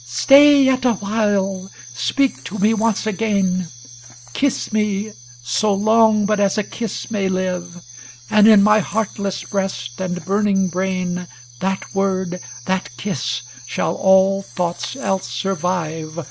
XXVI * Stay yet awhile ! speak to me once again; Kiss me, so long but as a kiss may live; And in my heartless breast and burning brain That word, that kiss, shall all thoughts else survive.